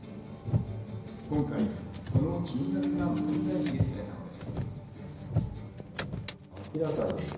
今回その金額が問題視されたのです。